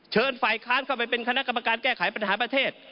ฝ่ายค้านเข้าไปเป็นคณะกรรมการแก้ไขปัญหาประเทศ